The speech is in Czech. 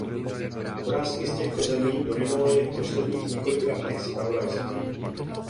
Obrázky z těchto zemí dominovaly v posledních několika dnech zpravodajství.